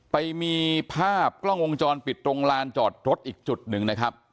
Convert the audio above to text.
ไปมีภาพกล้องวงจรปิดตรงลานจอดรถอีกจุดหนึ่งนะครับ